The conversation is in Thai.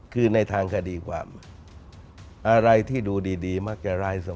คือในทางคดีความอะไรที่ดูดีมักจะร้ายสม